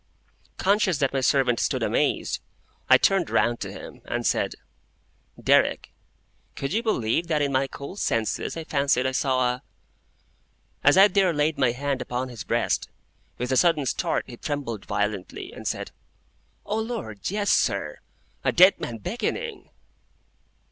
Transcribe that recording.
Conscious that my servant stood amazed, I turned round to him, and said: "Derrick, could you believe that in my cool senses I fancied I saw a —" As I there laid my hand upon his breast, with a sudden start he trembled violently, and said, "O Lord, yes, sir! A dead man beckoning!"